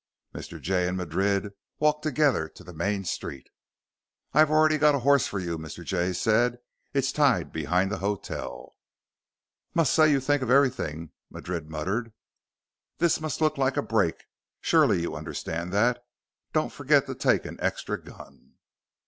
Mr. Jay and Madrid walked together to the main street. "I've already got a horse for you," Mr. Jay said. "It's tied behind the hotel." "Must say you think of everything," Madrid muttered. "This must look like a break surely you understand that. Don't forget to take an extra gun."